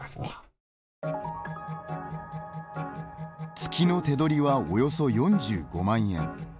月の手取りはおよそ４５万円。